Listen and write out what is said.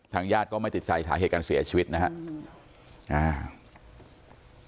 ญาติก็ไม่ติดใจสาเหตุการเสียชีวิตนะครับ